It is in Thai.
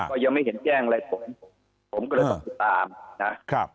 ก็ยังไม่เห็นแจ้งอะไรผมผมก็เลยต้องติดตามนะครับ